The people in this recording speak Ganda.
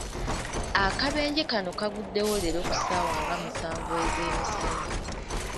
Akabenje kano kaguddewo leero ku ssaawa nga musanvu ezeemisana.